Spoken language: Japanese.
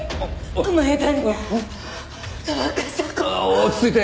落ち着いて！